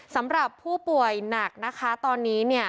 สำหรับผู้ป่วยหนักนะคะตอนนี้เนี่ย